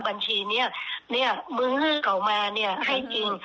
บัญชีนี่นี่มึงให้เขามาให้จริง